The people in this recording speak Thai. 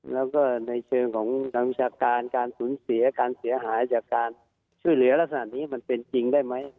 แล้วก็ในเชิงของกรรมวิชาการการสูญเสียการเสียหายจากการช่วยเหลือลักษณะนี้มันเป็นจริงได้ไหม